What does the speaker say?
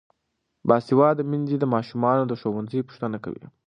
باسواده میندې د ماشومانو د ښوونځي پوښتنه کوي.